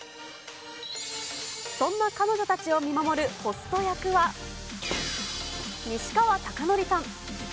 そんな彼女たちを見守るホスト役は、西川貴教さん。